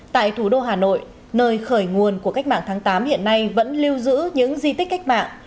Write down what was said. tại thủ đô hà nội nơi khởi nguồn của cách mạng tháng tám hiện nay vẫn lưu giữ những di tích cách mạng